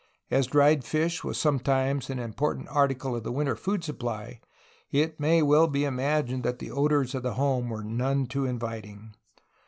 As dried fish was sometimes an important article of the winter food supply it may well be imagined that the odors of the home were none too inviting.